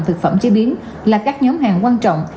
thực phẩm chế biến là các nhóm hàng quan trọng